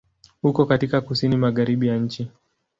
Uko katika Kusini Magharibi ya nchi.